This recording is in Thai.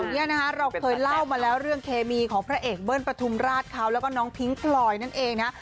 เนี่ยนะคะเราเคยเล่ามาแล้วเรื่องเคมีของพระเอกเบิ้ลปฐุมราชเขาแล้วก็น้องพิ้งพลอยนั่นเองนะ